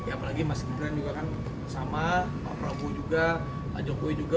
apalagi mas gibran juga kan sama pak prabowo juga pak jokowi juga